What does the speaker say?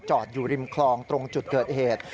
อยู่ริมคลองตรงจุดเกิดเหตุ